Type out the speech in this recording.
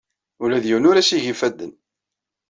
Ula d yiwen ur as-igi ifadden.